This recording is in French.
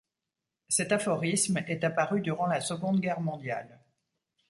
Cet aphorisme est apparu durant la Seconde Guerre mondiale.